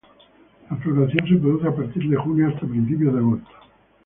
La floración se produce a partir de junio hasta principios de agosto.